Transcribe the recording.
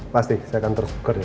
pasti saya akan terus buka dia sama